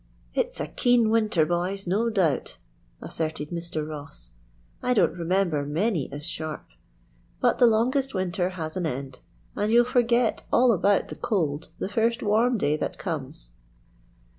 "It's a keen winter, boys, no doubt," assented Mr. Ross. "I don't remember many as sharp. But the longest winter has an end, and you'll forget all about the cold the first warm day that comes."